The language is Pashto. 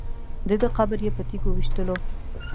دده قبر یې په تیږو ویشتلو.